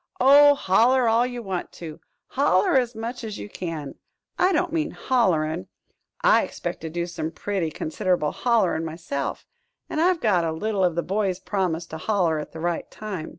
"Oh, holler all you want to holler as much as you can I don't mean hollerin'. I expect to do some pretty considerable hollerin' myself, and I've got a lot of the boys promised to holler at the right time.